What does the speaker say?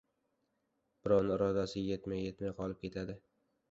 Birovi irodasi yetmay-etmay qolib ketadi.